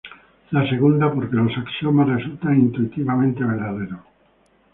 La segunda, porque los axiomas resultan intuitivamente verdaderos.